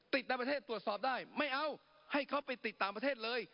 ในประเทศตรวจสอบได้ไม่เอาให้เขาไปติดต่างประเทศเลย